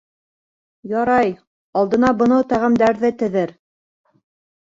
Ярай... алдына бынау тәғәмдәрҙе теҙер.